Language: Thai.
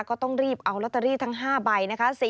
ก็ต้องรีบเอาลอตเตอรี่ทั้ง๕ใบนะคะ